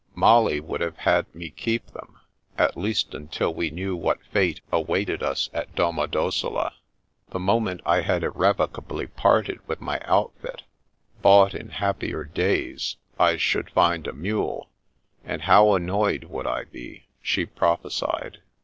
Molly would have had me keep them, at least until we knew what fate awaited us at Domodossola. The moment I had irrevocably parted with my outfit, bought in happier days, I should find a mule, and how annoyed would I be, she prophesied.